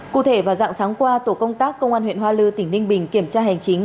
cụ thể vào dạng sáng qua tổ công tác công an huyện hoa lư tỉnh ninh bình kiểm tra hành chính